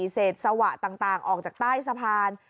เศษสวะต่างออกจากใต้สะพาน